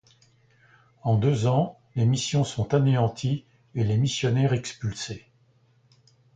En deux ans, les missions sont anéanties et les missionnaires expulsés.